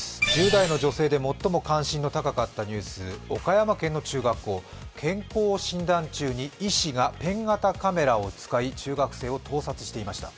１０代の女性で最も関心の高かったニュース、岡山県の中学校、健康診断中に医師がペン型カメラを使い中学生を盗撮していました。